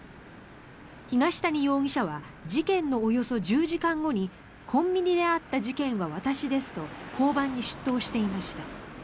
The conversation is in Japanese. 東谷容疑者は事件のおよそ１０時間後にコンビニであった事件は私ですと交番に出頭していました。